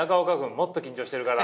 もっと緊張してるから。